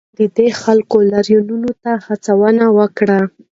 ده د خلکو لاریونونو ته هڅونه وکړه.